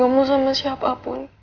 gue akan minta pertolongan sama siapapun